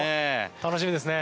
楽しみですね。